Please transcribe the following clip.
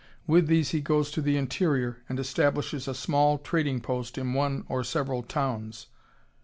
With these he goes to the interior and establishes a small trading post in one or several towns....